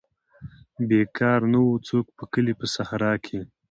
بیکار نه وو څوک په کلي په صحرا کې.